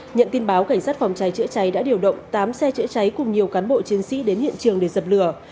nhận tin báo cảnh sát phòng cháy chữa cháy đã điều động tám xe chữa cháy cùng nhiều cán bộ chiến sĩ đến hiện trường để dập lửa